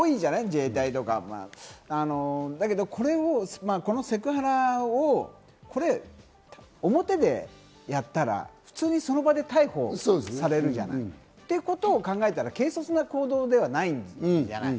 自衛隊とか。だけどこのセクハラを表でやったら、普通にその場で逮捕されるじゃない、ってことを考えたら警察の行動ではないじゃない。